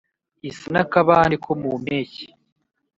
isa n'akabande ko mu mpeshyi